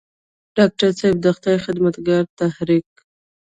ډاکټر صېب د خدائ خدمتګار تحريک